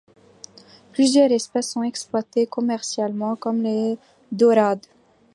Plusieurs espèces sont exploitées commercialement, comme les daurades.